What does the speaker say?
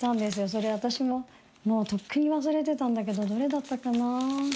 それ私もとっくに忘れてたんだけどどれだったかな？